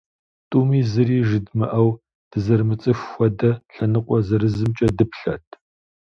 Тӏуми зыри жыдмыӏэу, дызэрымыцӏыху хуэдэ, лъэныкъуэ зырызымкӏэ дыплъэрт.